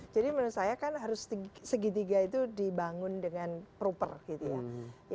jadi menurut saya kan harus segitiga itu dibangun dengan proper gitu ya